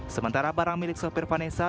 sementara barang milik sopir vanessa